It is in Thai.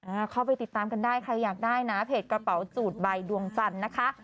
อ่าเข้าไปติดตามกันได้ใครอยากได้นะเพจกระเป๋าจูดใบดวงจันทร์นะคะ